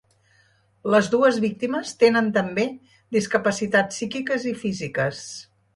Les dues víctimes tenen també discapacitats psíquiques i físiques.